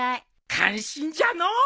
感心じゃのう。